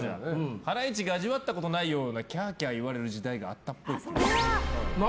ハライチが味わったことないようなキャーキャー言われる時代があったっぽい。